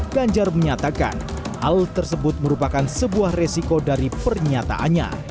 ganjar menyatakan hal tersebut merupakan sebuah resiko dari pernyataannya